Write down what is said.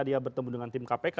dia bertemu dengan tim kpk